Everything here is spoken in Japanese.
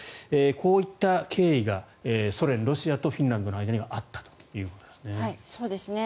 こういった経緯がソ連、ロシアとフィンランドの間にはあったということですね。